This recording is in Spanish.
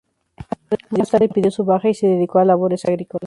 Más tarde pidió su baja y se dedicó a labores agrícolas.